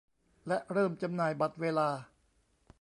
และเริ่มจำหน่ายบัตรเวลา